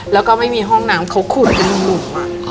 แล้วก็ไม่มีห้องน้ำเขาขูดเป็นหลุม